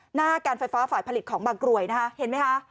หน้าการไฟฟ้าฝ่ายผลิตของบางกรวยนะคะเห็นไหมคะ